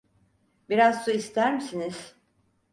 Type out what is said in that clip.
Biraz su ister misiniz?